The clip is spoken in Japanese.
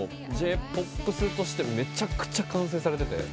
Ｊ−ＰＯＰとしてめちゃくちゃ完成されてて。